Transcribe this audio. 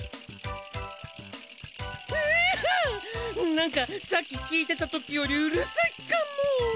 なんかさっき聞いてたときよりうるさいかも。